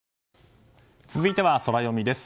続いては、ソラよみです。